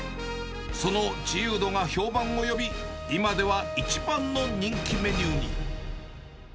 その自由度が評判を呼び、今では一番の人気メニューに。